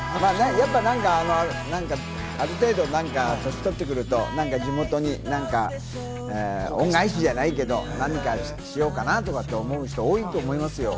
やっぱなんか、ある程度、年取ってくると地元に何か恩返しじゃないけれども、何かしようかなとかって思う人、多いと思いますよ。